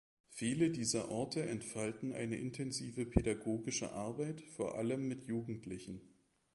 Viele dieser Orte entfalten eine intensive pädagogische Arbeit, vor allem mit Jugendlichen.